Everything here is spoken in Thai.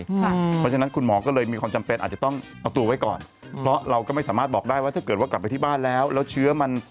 เพราะฉะนั้นคุณหมอก็เลยมีความจำเป็นอาจจะต้องเอาตัวไว้ก่อนเพราะเราก็ไม่สามารถบอกได้ว่าถ้าเกิดว่ากลับไปที่บ้านแล้วแล้วเชื้อมัน